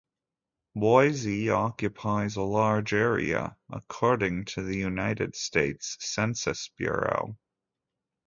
Boise occupies a large area - according to the United States Census Bureau.